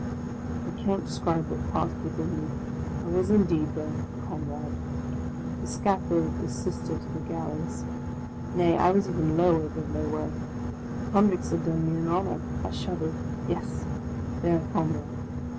\ I cannot describe what passed within me. I was indeed * their " comrade !" The Scaffold is Sister to the Galleys. Nay, I was even lower than they were ; the convicts had done me an honour. I shuddered : yes ! their " comrade